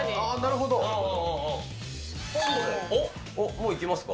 もういけますか？